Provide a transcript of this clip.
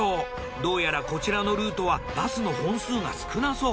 どうやらこちらのルートはバスの本数が少なそう。